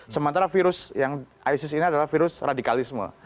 sementara virus yang isis ini adalah virus radikalisme